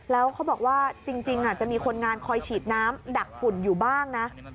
แล้วเขาบอกว่าจริงจะมีคนงานคอยฉีดน้ำดักฝุ่นอยู่บ้างนะ